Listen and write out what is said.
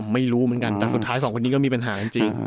ไม่รู้เหมือนกันแต่สุดท้ายสองคนนี้ก็มีปัญหาจริง